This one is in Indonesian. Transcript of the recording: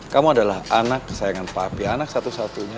kamu adalah anak kesayangan papi anak satu satunya